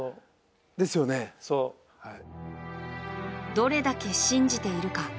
どれだけ信じているか。